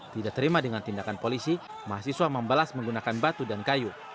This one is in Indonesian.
tidak terima dengan tindakan polisi mahasiswa membalas menggunakan batu dan kayu